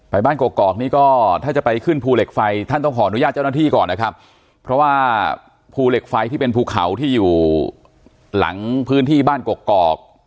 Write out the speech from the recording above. บ้านกอกนี่ก็ถ้าจะไปขึ้นภูเหล็กไฟท่านต้องขออนุญาตเจ้าหน้าที่ก่อนนะครับเพราะว่าภูเหล็กไฟที่เป็นภูเขาที่อยู่หลังพื้นที่บ้านกกอก